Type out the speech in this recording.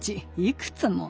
いくつも。